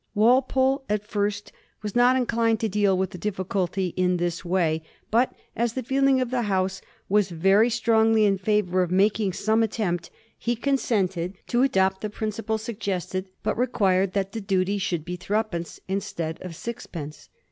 Wal pole at first was not inclined to deal with the difficulty in this way, but as the feeling of the House was very strongly in favour of making some attempt, he con sented to adopt the principle suggested, but required that the duty should be threepence instead of ax pence.